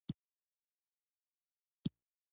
د افغانستان ولايتونه د افغانستان د بشري فرهنګ برخه ده.